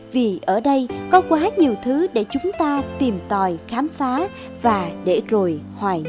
vì ở đây có quá nhiều thứ để chúng ta tìm tòi khám phá và để rồi hoàn toàn